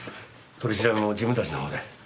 取り調べも自分たちのほうで。